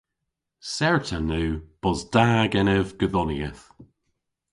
Certan yw bos da genev godhonieth.